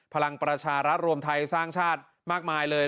พลังประชารัฐรวมไทยสร้างชาติมากมายเลย